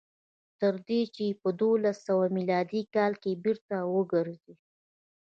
تر دې چې په دولس سوه میلادي کال کې بېرته وګرځي.